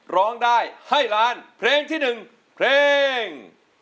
ร้องได้ให้ล้านเพลงที่๑เพลง